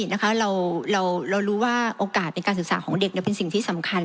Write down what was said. เรารู้ว่าโอกาสในการศึกษาของเด็กเป็นสิ่งที่สำคัญ